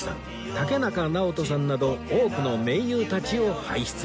竹中直人さんなど多くの名優たちを輩出